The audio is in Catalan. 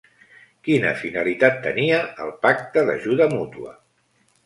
Quina finalitat tenia el Pacte d'Ajuda Mútua?